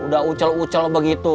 udah ucel ucel begitu